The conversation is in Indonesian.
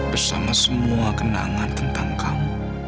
bersama semua kenangan tentang kamu